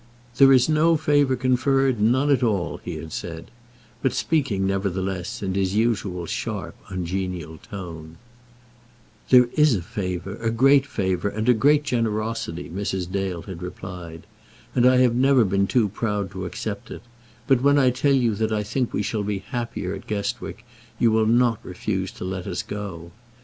"There is no favour conferred, none at all," he had said; but speaking nevertheless in his usual sharp, ungenial tone. "There is a favour, a great favour, and great generosity," Mrs. Dale had replied. "And I have never been too proud to accept it; but when I tell you that we think we shall be happier at Guestwick, you will not refuse to let us go.